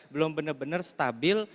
belum benar benar stabil